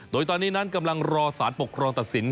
โดยตอนนี้นั้นกำลังรอสารปกครองตัดสิน